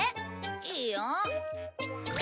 いいよ。